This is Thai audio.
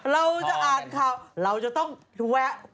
เราจะอ่านข่าวเราจะต้องแวะ